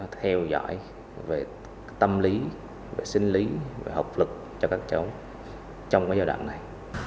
theo dõi về tâm lý về sinh lý về học lực cho các cháu trong giai đoạn này